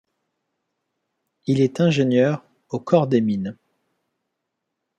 Il est ingénieur au Corps des mines.